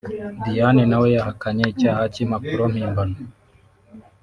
Diane nawe yahakanye icyaha cy’impapuro mpimbamo